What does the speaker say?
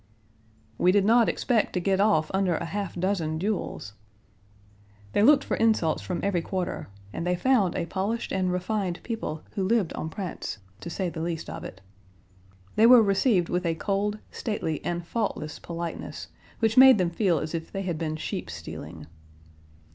"We did not expect to get off under a half dozen duels." They looked for insults from every quarter and they found a polished and refined people who lived en prince, to say the least of it. They were received with a cold, stately, and faultless politeness, which made them feel as if they had been sheep stealing.